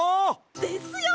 ですよね！